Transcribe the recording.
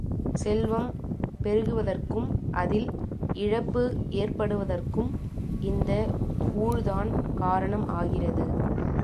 செல்வம் பெருகுவதற்கும், அதில் இழப்பு ஏற்படுவதற்கும் இந்த ஊழ்தான் காரணம் ஆகிறது.